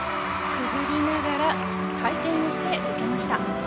くぐりながら回転をして受けました。